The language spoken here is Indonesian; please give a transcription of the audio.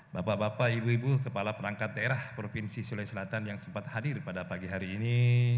bapak bapak ibu ibu kepala perangkat daerah provinsi sulawesi selatan yang sempat hadir pada pagi hari ini